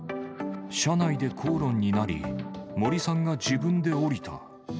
車内で口論になり、森さんが自分で降りた。